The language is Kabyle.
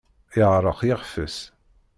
Yeɛreq yixef-is.